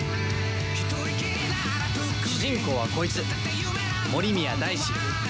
主人公はこいつ森宮大志。